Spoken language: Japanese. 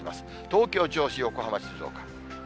東京、銚子、横浜、静岡。